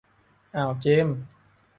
อ่าวเจมส์